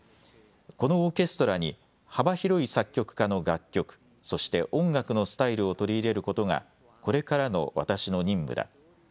このオーケストラに幅広い作曲家の楽曲、そして音楽のスタイルを取り入れることがこれからの私の任務だ。